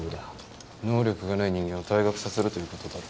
能力がない人間を退学させるということだろ。